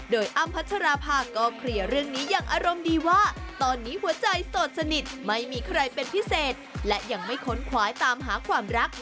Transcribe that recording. โดยอ้ำพัชราภาก็เคลียร์เรื่องนี้อย่างอารมณ์ดีว่าตอนนี้หัวใจโสดสนิทไม่มีใครเป็นพิเศษและยังไม่ค้นขวายตามหาความรัก